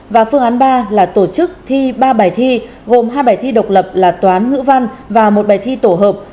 và phương án ba là tổ chức thi ba bài thi gồm hai bài thi độc lập là toán ngữ văn và một bài thi tổ hợp